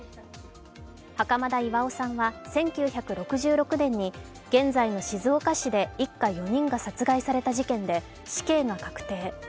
袴田巌さんは１９６６年に現在の静岡市で一家４人が殺害された事件で死刑が確定。